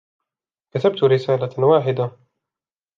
كتبَت رسالة واحدة.